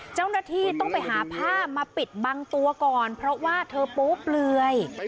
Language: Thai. เจ้าหน้าที่ต้องไปหาผ้ามาปิดบังตัวก่อนเพราะว่าเธอโป๊เปลือย